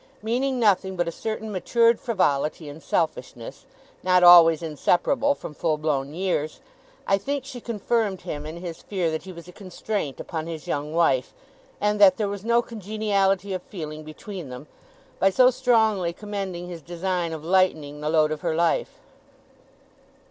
Meaning nothing but a certain matured frivolity and selfishness, not always inseparable from full blown years, I think she confirmed him in his fear that he was a constraint upon his young wife, and that there was no congeniality of feeling between them, by so strongly commending his design of lightening the load of her life.